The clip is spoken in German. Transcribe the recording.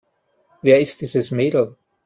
Wer ist dieses Mädel?